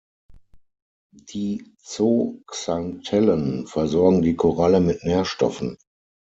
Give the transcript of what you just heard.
Die Zooxanthellen versorgen die Koralle mit Nährstoffen.